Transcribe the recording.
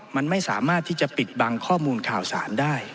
มันไม่สามารถที่จะปิดบังข้อมูลข่าวสารได้